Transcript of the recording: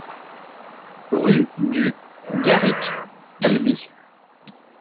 Rue du Garric, Albi